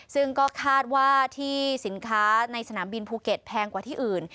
ซึ่งก็คาดว่าที่สินค้าในสนามบินภูเก็ตแพงกว่าที่อื่น